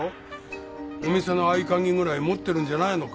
お店の合鍵ぐらい持ってるんじゃないのか？